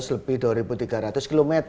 selebih dua ribu tiga ratus km